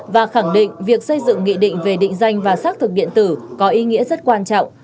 và khẳng định việc xây dựng nghị định về định danh và xác thực điện tử có ý nghĩa rất quan trọng